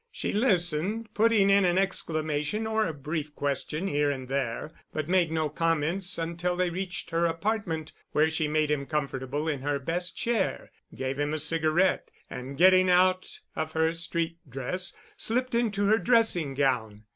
She listened, putting in an exclamation or a brief question here and there, but made no comments until they reached her apartment, where she made him comfortable in her best chair, gave him a cigarette and getting out of her street dress, slipped into her dressing gown.